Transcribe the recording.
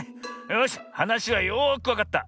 よしはなしはよくわかった。